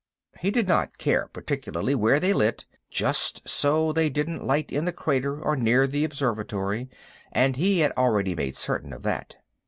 He did not care particularly where they lit, just so they didn't light in the crater or near the observatory, and he had already made certain of that.